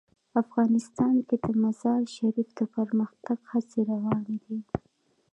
افغانستان کې د مزارشریف د پرمختګ هڅې روانې دي.